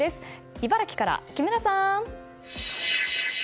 茨城から木村さん！